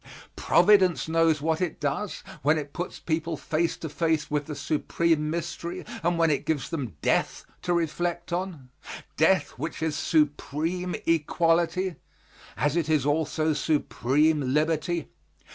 Providence knows what it does when it puts the people face to face with the supreme mystery and when it gives them death to reflect on, death which is supreme equality, as it is also supreme liberty.